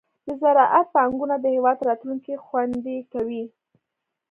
د زراعت پانګونه د هېواد راتلونکې خوندي کوي.